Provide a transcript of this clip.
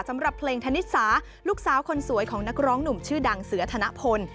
สำหรับเพลงธนิสาลูกสาวคนสวยของนักร้องหนุ่มชื่อดังเสือธนพล